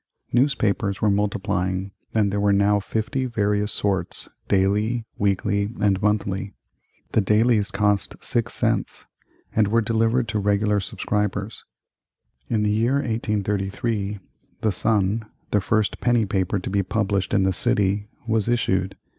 Newspapers were multiplying, and there were now fifty various sorts, daily, weekly, and monthly. The dailies cost six cents, and were delivered to regular subscribers. In the year 1833 the Sun, the first penny paper to be published in the city, was issued.